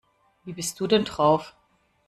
Wie bist du denn drauf?